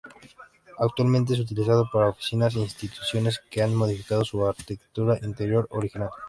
Actualmente es utilizado para oficinas e instituciones que han modificado su arquitectura interior original.